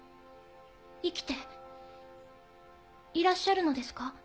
生きていらっしゃるのですか？